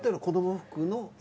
子ども服の。